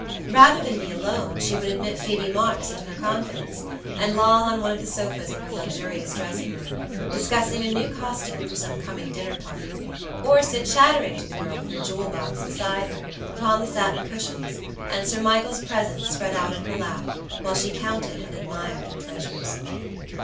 Rather than be alone, she would admit Phoebe Marks into her confidence, and loll on one of the sofas in her luxurious dressing room, discussing a new costume for some coming dinner party; or sit chattering to the girl with her jewel box beside her, upon the satin cushions, and Sir Michael's presents spread out in her lap, while she counted and admired her treasures.